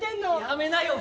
やめなよ